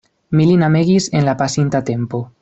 Mi lin amegis en la pasinta tempo.